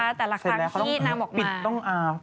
เวลาแต่ละครั้งที่น้ำออกมา